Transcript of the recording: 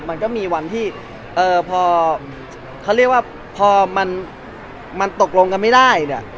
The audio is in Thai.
มันก็มีวันที่พอมันตกลงกันไม่ได้เนี่ย